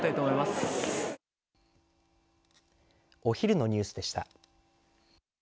お昼のニュースでした。